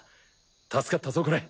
助かったぞコレ。